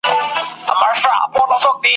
دا ميوند ميوند دښتونه !.